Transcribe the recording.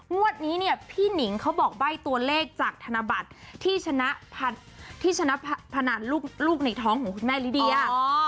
งวดนี้เนี่ยพี่หนิงเขาบอกใบ้ตัวเลขจากธนบัตรที่ชนะที่ชนะพนันลูกในท้องของคุณแม่ลิเดีย